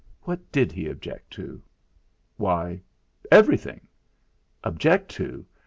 What did he object to? Why everything! Object to!